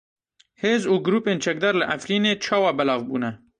Hêz û grûpên çekdar li Efrînê çawa belav bûne?